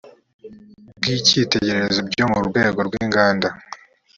bw icyitegererezo byo mu rwego rw inganda